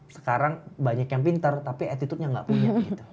sekarang banyak yang pintar tapi attitude nya gak punya